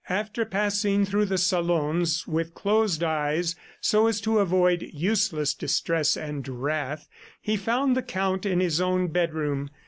After passing through the salons with closed eyes so as to avoid useless distress and wrath, he found the Count in his own bedroom.